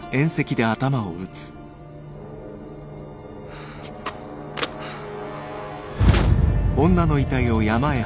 はあはあ。